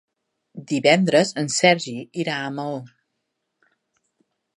Divendres en Sergi irà a Maó.